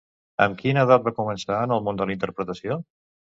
Amb quina edat va començar en el món de la interpretació?